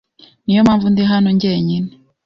Niyo mpamvu ndi hano ngenyine.